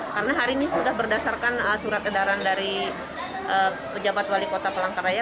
karena hari ini sudah berdasarkan surat edaran dari pejabat wali kota pelangkaraya